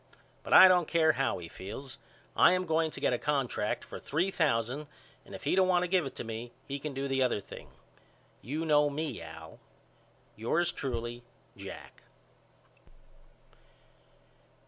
But I don't care how he feels. I am going to get a contract for three thousand and if he don't want to give it to me he can do the other thing. You know me Al. Yours truly, JACK.